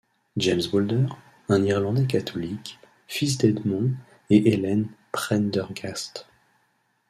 James Boulder, un irlandais catholique, fils d’Edmond et Ellen Prendergast.